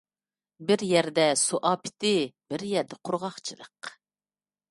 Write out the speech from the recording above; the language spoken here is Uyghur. بىر يەردە سۇ ئاپىتى، بىر يەردە قۇرغاقچىلىق.